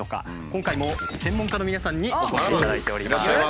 今回も専門家の皆さんにお越しいただいております。